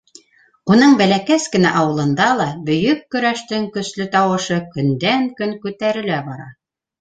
Уның бәләкәс кенә ауылында ла бөйөк көрәштең көслө тауышы көндән-көн күтәрелә бара.